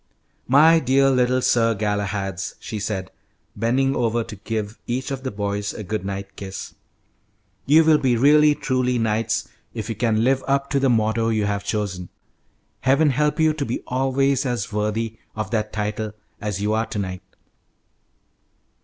"My dear little Sir Galahads," she said, bending over to give each of the boys a good night kiss, "you will be 'really truly' knights if you can live up to the motto you have chosen. Heaven help you to be always as worthy of that title as you are to night!"